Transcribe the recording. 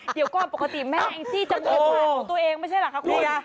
เดี๋ยวก่อนปกติแม่ที่จำกวนของตัวเองไม่ใช่เหรอคะคุณ